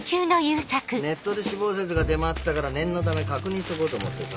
ネットで死亡説が出回ってたから念のため確認しとこうと思ってさ。